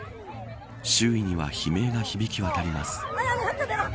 周囲には悲鳴が響き渡ります。